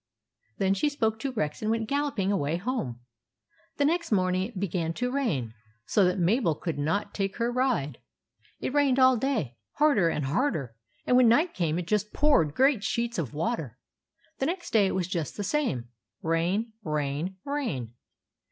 Then she spoke to Rex and went gallop ing away home. The next morning it began to rain, so that Mabel could not take her ride. It rained all day, harder and harder, and when night came it just poured great sheets of water. The next day it was just the same, — rain, rain, rain.